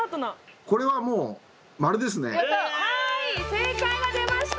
正解が出ました！